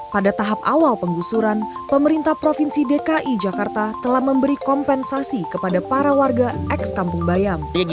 pada tahap awal penggusuran pemerintah provinsi dki jakarta telah memberi kompensasi kepada para warga ex kampung bayam